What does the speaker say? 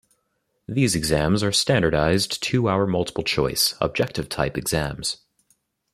These exams are standardized, two hour multiple choice, objective-type exams.